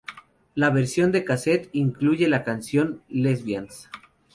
La versión en casete incluye la canción "Lesbians"